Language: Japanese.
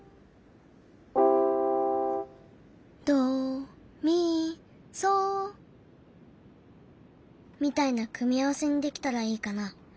ドミソみたいな組み合わせにできたらいいかな。